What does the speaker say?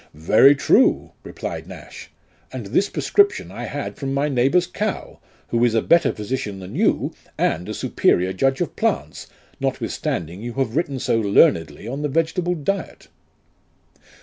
" Very true," replied Nash, " and this prescription I had from my neighbour's cow, who is a better physician than you, and a superior judge of plants, notwith standing you have written so learnedly on the vegetable diet."